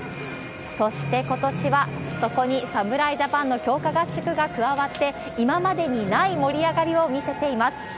そしてことしは、そこに侍ジャパンの強化合宿が加わって、今までにない盛り上がりを見せています。